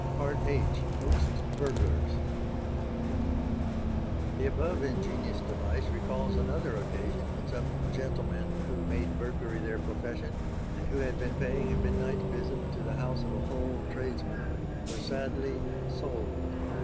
H. HOAXED BURGLARS The above ingenious device recalls another occasion when some gentlemen who made burglary their profession, and who had been paying a midnight visit to the house of a Hull tradesman were sadly "sold."